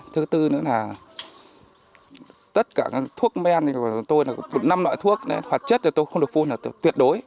thứ tư nữa là tất cả thuốc men của chúng tôi năm loại thuốc hoạt chất không được phun là tuyệt đối